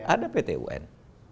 ada pt un